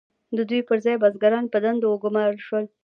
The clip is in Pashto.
د دوی پر ځای بزګران په دندو وګمارل شول.